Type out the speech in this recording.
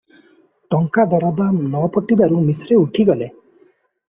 ଟଙ୍କା ଦରଦାମ ନ ପଟିବାରୁ ମିଶ୍ରେ ଉଠିଗଲେ ।